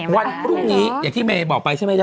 วันพรุ่งนี้อย่างที่เมนเบอร์บอกไปใช่ไหมครับ